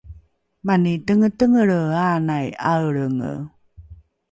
mani tengetengelre anai ’aelrenge